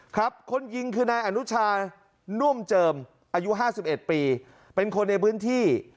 คนยิงคือนายอนุชาน่วมเจิมอายุ๕๑ปีเป็นคนในพื้นที่